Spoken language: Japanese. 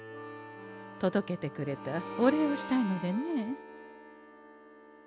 届けてくれたお礼をしたいのでねえ。